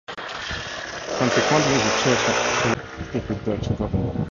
Consequently, the Church had close relations with the Dutch government.